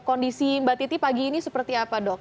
kondisi mbak titi pagi ini seperti apa dok